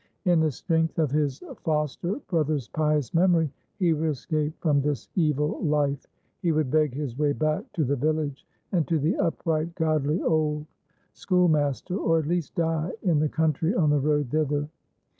In the strength of his foster brother's pious memory he would escape from this evil life. He would beg his way back to the village, and to the upright, godly old schoolmaster, or at least die in the country on the road thither.